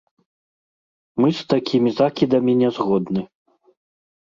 Мы з такімі закідамі не згодны.